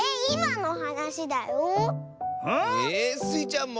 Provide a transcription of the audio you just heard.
えスイちゃんも？